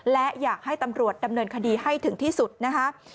และอยากให้ตำรวจดำเนินคดีให้ถึงที่สุดนะคะ